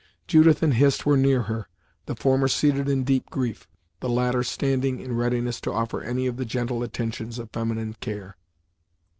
Judith and Hist were near her, the former seated in deep grief; the latter standing, in readiness to offer any of the gentle attentions of feminine care.